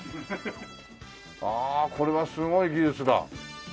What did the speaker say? ああこれはすごい技術だ。